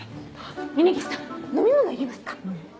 峰岸さん飲み物いりますか？